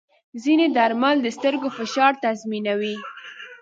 ځینې درمل د سترګو فشار تنظیموي.